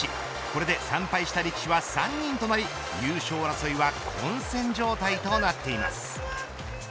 これで３敗した力士は３人となり優勝争いは混戦状態となっています。